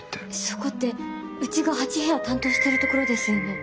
そこってうちが８部屋担当してるところですよね？